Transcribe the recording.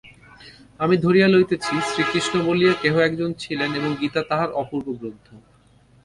আমি ধরিয়া লইতেছি, শ্রীকৃষ্ণ বলিয়া কেহ একজন ছিলেন এবং গীতা তাঁহার অপূর্ব গ্রন্থ।